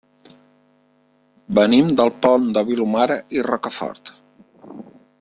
Venim del Pont de Vilomara i Rocafort.